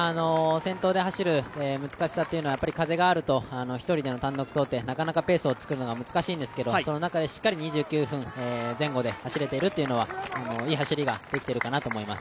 先頭で走る難しさというのは、風があると１人での単独走はなかなかペースをつくるのが難しいんですけどその中でしっかり２９分前後で走れているのはいい走りができているかなと思います。